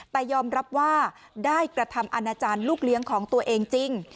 แต่ยอมรับว่าได้กระทำอาณาจารย์ลูกเลี้ยงของตัวเองจริง